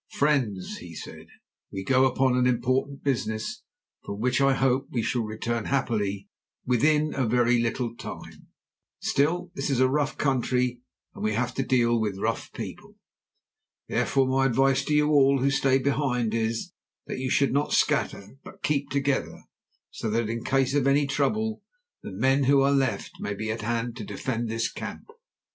"Friends," he said, "we go upon an important business, from which I hope we shall return happily within a very little time. Still, this is a rough country, and we have to deal with rough people. Therefore my advice to all you who stay behind is that you should not scatter, but keep together, so that in case of any trouble the men who are left may be at hand to defend this camp.